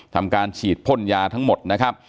ทำการฉีดพ่นยาทั้งหมดนะครับ